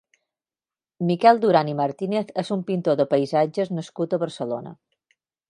Miquel Duran i Martínez és un pintor de paisatges nascut a Barcelona.